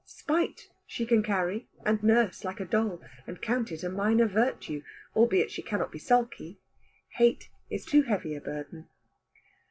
Spite she can carry, and nurse like a doll, and count it a minor virtue, albeit she cannot be sulky; hate is too heavy a burden.